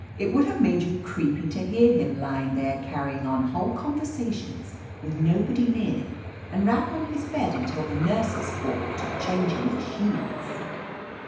*Tt would have made you creepy to hear him, lying there carrying on whole conversations with nobody near, and rap. :)n his bed until the nurses balked at changing the sheets